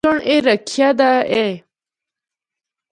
قدرت سنڑ اے رکھیا دا اے۔